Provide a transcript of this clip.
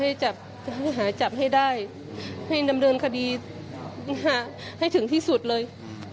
พ่ายอยากให้หาจับให้ได้ให้ดำเนินคดีหาให้ถึงที่สุดเลย